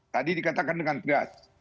tadi dikatakan dengan pedas